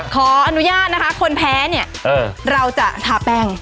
ขออนุญาตนะคะคนแพ้เนี่ยเราจะทาแป้ง